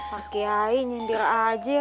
pak kiai nyendir aja